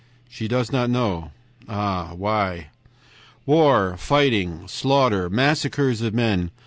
She does not know. Ah, why? "War! fighting! slaughter! massacres of men!